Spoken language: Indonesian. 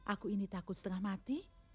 aku ini takut setengah mati